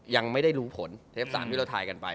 ยังไม่ได้รู้ผลเทป๓ที่เราทายกันไป